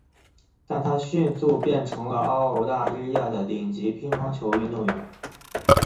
但她迅速变成为了澳大利亚的顶级乒乓球运动员。